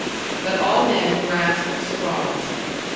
But all men grasp at straws.